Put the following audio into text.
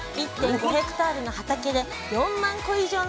１．５ヘクタールの畑で４万個以上の春